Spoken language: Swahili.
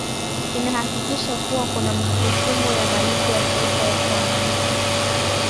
inahakikisha kuwa kuna mifumo ya malipo ya taifa ya kuaminika